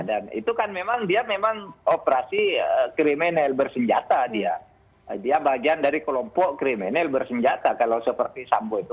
dan itu kan memang dia memang operasi krimenel bersenjata dia dia bagian dari kelompok krimenel bersenjata kalau seperti sambu itu